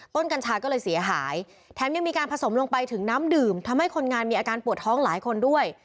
กัญชาก็เลยเสียหายแถมยังมีการผสมลงไปถึงน้ำดื่มทำให้คนงานมีอาการปวดท้องหลายคนด้วย